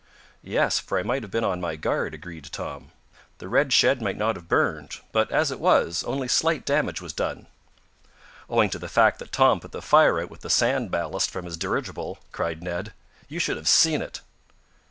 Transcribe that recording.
"Yes, for I might have been on my guard," agreed Tom. "The red shed might not have burned, but, as it was, only slight damage was done." "Owing to the fact that Tom put the fire out with sand ballast from his dirigible!" cried Ned. "You should have seen it!"